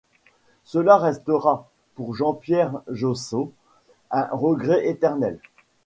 Cela restera, pour Jean-Pierre Jaussaud, un regret éternel.